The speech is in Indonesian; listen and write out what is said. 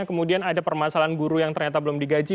kemudian ada permasalahan guru yang ternyata belum digaji